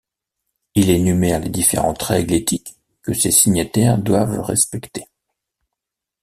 Il énumère les différentes règles éthiques que ses signataires doivent respecter.